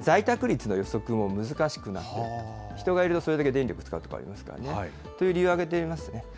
在宅率の予測も難しくなって、人がいるとそれだけ電力を使うわけですからね。という理由を挙げていますね。